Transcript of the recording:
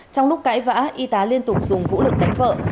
trong lúc cãi vã y tá liên tục dùng vũ lực đánh vợ